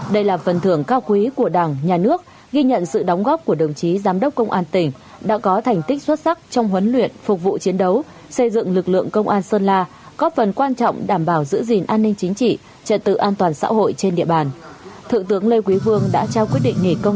đây là phần thưởng cao quý của đảng nhà nước ghi nhận sự đóng góp của đồng chí giám đốc công an tỉnh đã có thành tích xuất sắc trong huấn luyện phục vụ chiến đấu xây dựng lực lượng công an sơn la có phần quan trọng đảm bảo giữ gìn an ninh chính trị trật tự an toàn xã hội trên địa bàn